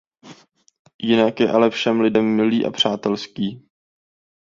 Jinak je ale všem lidem milý a přátelský.